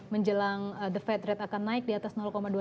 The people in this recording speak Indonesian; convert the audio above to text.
menjelang the fed rate akan naik di atas dua puluh